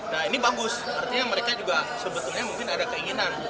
nah ini bagus artinya mereka juga sebetulnya mungkin ada keinginan